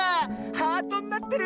ハートになってる！